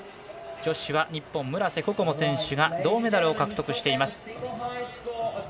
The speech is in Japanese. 女子は日本、村瀬心椛選手が銅メダルを獲得しています。